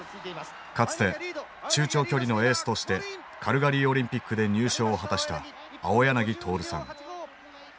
かつて中長距離のエースとしてカルガリーオリンピックで入賞を果たした青柳徹さん。